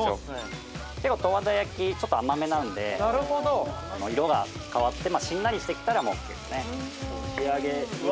結構十和田焼きちょっと甘めなんで色が変わってしんなりしてきたらもうオーケーですねうわ